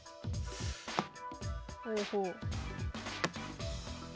ほうほう。